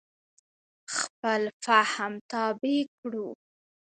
خپل فهم تابع کړو.